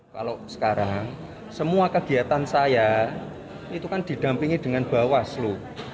kalau sekarang semua kegiatan saya itu kan didampingi dengan bawaslu